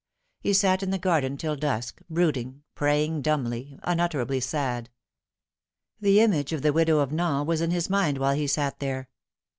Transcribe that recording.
He sat in the garden till dusk, brooding, praying dumbly, unutterably sad. The image of the widow of Nain was in his mind while he sat there.